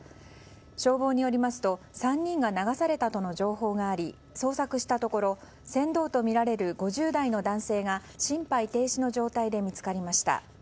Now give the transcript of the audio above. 消防によりますと３人が流されたとの情報があり捜索したところ、船頭とみられる５０代の男性が心肺停止の状態で見つかりました。